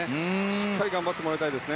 しっかり頑張ってもらいたい。